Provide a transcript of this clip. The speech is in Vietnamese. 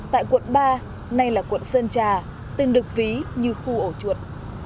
tại quận ba nay là quận sơn trà từng được ví như khu ổ chuột